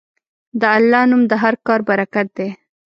د الله نوم د هر کار برکت دی.